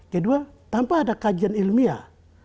kedua tanpa ada kajian ilmiah